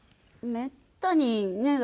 めったにねえ。